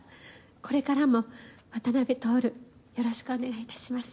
これからも渡辺徹、よろしくお願いいたします。